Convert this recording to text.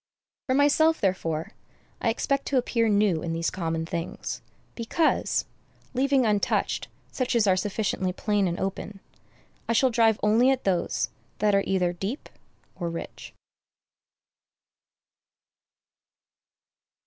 For myself, therefore, I expect to appear new in these common things, because, leaving untouched such as are sufficiently plain and open, I shall drive only at those that are either deep or rich.